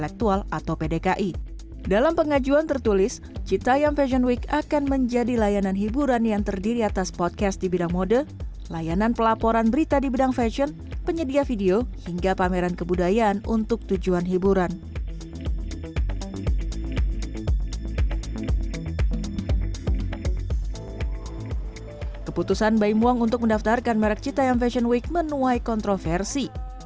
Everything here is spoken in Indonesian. keputusan baimuang untuk mendaftarkan merek cita yang fashion week menuai kontroversi